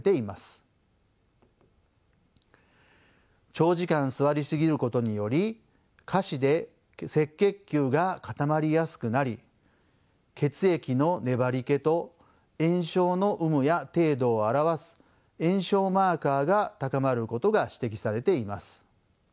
長時間座りすぎることにより下肢で赤血球が固まりやすくなり血液の粘りけと炎症の有無や程度を表す炎症マーカーが高まることが指摘されています。